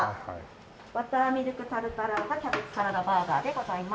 バターミルクタルタル＆キャベツサラダバーガーでございます。